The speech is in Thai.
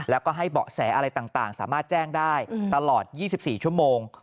แล้วก็ให้เบาะแสอะไรต่างสามารถแจ้งได้ตลอด๒๔ชั่วโมง